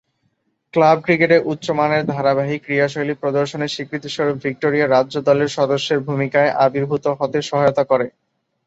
Club ক্রিকেটে উচ্চমানের ধারাবাহিক ক্রীড়াশৈলী প্রদর্শনের স্বীকৃতিস্বরূপ ভিক্টোরীয় রাজ্য দলের সদস্যের ভূমিকায় আবির্ভূত হতে সহায়তা করে।